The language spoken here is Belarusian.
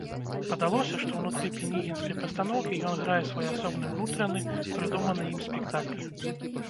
Падалося, што ўнутры пінігінскай пастаноўкі ён грае свой асобны ўнутраны, прыдуманы ім спектакль.